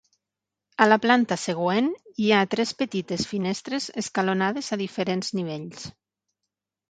A la planta següent hi ha tres petites finestres escalonades a diferents nivells.